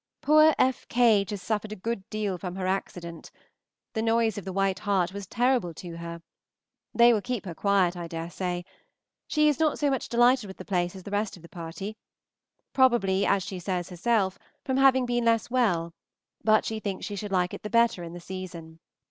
Poor F. Cage has suffered a good deal from her accident. The noise of the White Hart was terrible to her. They will keep her quiet, I dare say. She is not so much delighted with the place as the rest of the party; probably, as she says herself, from having been less well, but she thinks she should like it better in the season.